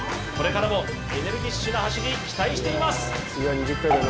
これからもエネルギッシュな走り、期待しています。